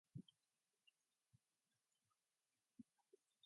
Only just longer was the Lola-Lamborghini of Philippe Alliot.